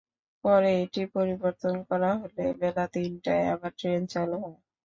পরে এটি পরিবর্তন করা হলে বেলা তিনটায় আবার ট্রেন চালু হয়।